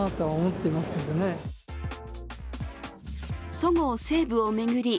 そごう・西武を巡り